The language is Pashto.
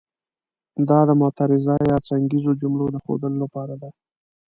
دا د معترضه یا څنګیزو جملو د ښودلو لپاره ده.